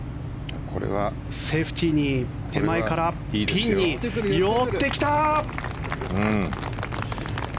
セーフティーに手前からピンに寄ってきた！